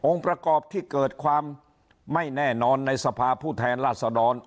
ประกอบที่เกิดความไม่แน่นอนในสภาผู้แทนราษดร